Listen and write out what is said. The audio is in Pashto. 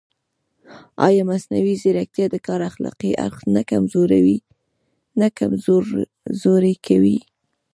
ایا مصنوعي ځیرکتیا د کار اخلاقي اړخ نه کمزوری کوي؟